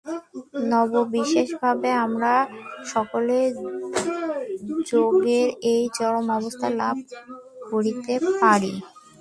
নির্বিশেষভাবে আমরা সকলেই যোগের এই চরম অবস্থা লাভ করিতে পারি।